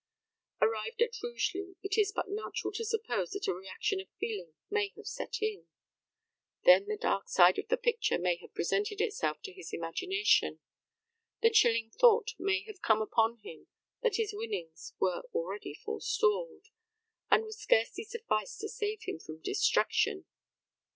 Arrived at Rugeley, it is but natural to suppose that a reaction of feeling may have set in. Then the dark side of the picture may have presented itself to his imagination. The chilling thought may have come upon him that his winnings were already forestalled, and would scarcely suffice to save him from destruction.